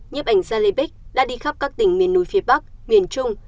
nhếp ảnh ra lê bích đã đi khắp các tỉnh miền núi phía bắc miền trung